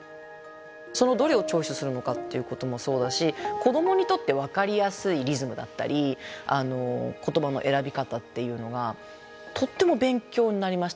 そのどれをチョイスするのかっていうこともそうだし子どもにとって分かりやすいリズムだったり言葉の選び方っていうのがとっても勉強になりましたね。